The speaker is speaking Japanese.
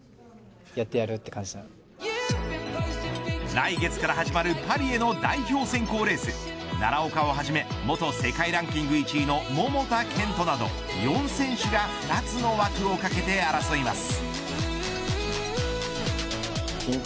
来月から始まるパリへの代表選考レース奈良岡をはじめ元世界ランキング１位の桃田賢斗など４選手が２つの枠をかけて争います。